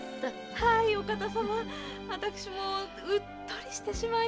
はいお方様私もううっとりしてしまいます。